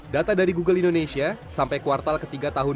data dari google indonesia sampai kuartal ketiga tahun dua ribu dua puluh